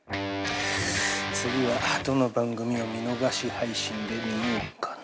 次はどの番組を見逃し配信で見ようかな。